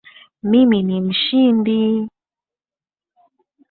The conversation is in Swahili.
Mimi ni mshindi.